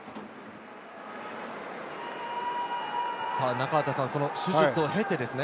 中畑さん、手術を経てですね。